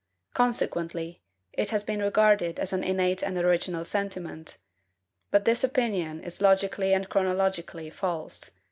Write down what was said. Consequently, it has been regarded as an innate and original sentiment; but this opinion is logically and chronologically false.